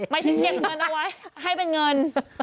หมายถึงเก็บเงินเอาไว้ให้เป็นเงิน